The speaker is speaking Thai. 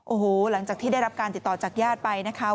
โอ้โหหลังจากที่ได้รับการติดต่อจากญาติไปนะคะ